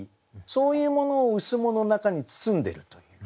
そういうものを「羅」の中に包んでるという。